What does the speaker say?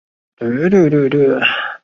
因应外在经济的变化和风险